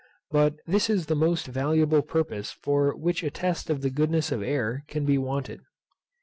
But this is the most valuable purpose for which a test of the goodness of air can be wanted.